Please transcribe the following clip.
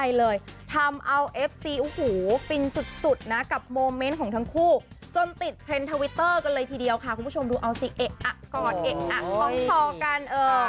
นี่ชายเลยทำเอาเอฟซีฟินสุดนะกับโมเมนต์ของทั้งคู่จนติดเพลงทวิตเตอร์กันเลยทีเดียวค่ะคุณผู้ชมดูเอาสิเอ๊ะอ่ะกอดเอ๊ะอ่ะมองคอกัน